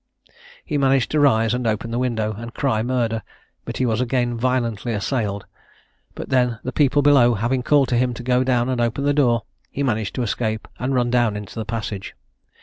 He managed to rise and open the window, and cry "murder," but he was again violently assailed; but then the people below having called to him to go down and open the door, he managed to escape, and run down into the passage.